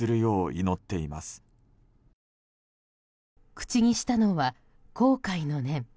口にしたのは後悔の念。